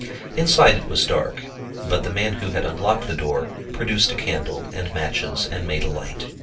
Inside it was dark, but the man who had unlocked the door produced a candle and matches and made a light.